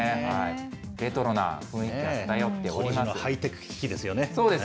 レトロな雰囲気が漂っております。